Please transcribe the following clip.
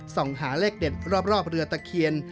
ส่องหาเลขเด็ดรอบเรือตะเคียน